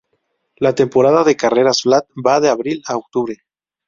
La temporada de carreras flat va de abril a octubre.